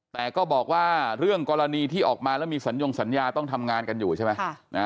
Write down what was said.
แต่ก็บอกว่าเรื่องกรณีที่ออกมาแล้วมีสัญญงสัญญาต้องทำงานกันอยู่ใช่ไหม